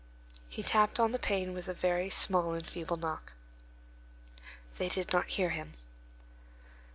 He tapped on the pane with a very small and feeble knock. They did not hear him.